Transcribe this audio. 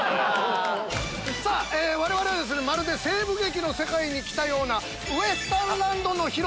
さぁ我々はですねまるで西部劇の世界に来たような。